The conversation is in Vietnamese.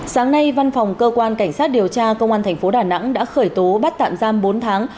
sáng nay văn phòng cơ quan cảnh sát điều tra công an thành phố đà nẵng đã khởi tố bắt tạm giam bốn tháng